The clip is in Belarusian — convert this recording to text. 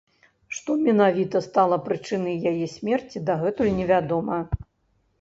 Што менавіта стала прычынай яе смерці, дагэтуль не вядома.